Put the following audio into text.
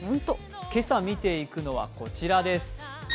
今朝見ていくのは、こちらです。